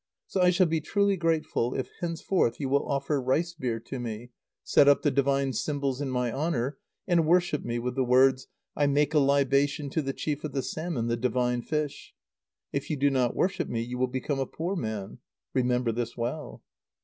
So I shall be truly grateful if henceforth you will offer rice beer to me, set up the divine symbols in my honour, and worship me with the words 'I make a libation to the chief of the salmon, the divine fish.' If you do not worship me, you will become a poor man. Remember this well!"